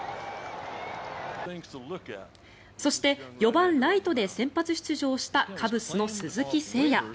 そして４番ライトで先発出場したカブスの鈴木誠也。